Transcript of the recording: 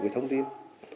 cái thông tin